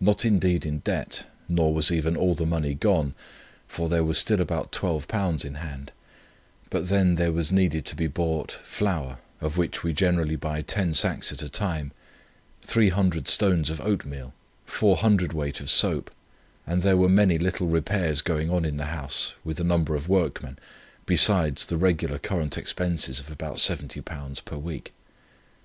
Not indeed in debt, nor was even all the money gone; for there was still about £12 in hand; but then there was needed to be bought flour, of which we buy generally 10 sacks at a time, 300 stones of oatmeal, 4 cwt. of soap, and there were many little repairs going on in the house, with a number of workmen, besides the regular current expenses of about £70 per week.